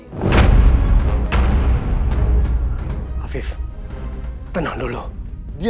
dia istri aku terserah aku mau ngomong apa soal dia